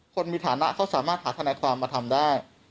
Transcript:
คนมีฐานะเขาสามารถหาทนายความมาทำได้